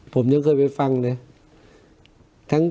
ผมยังเคยไปฟังเลย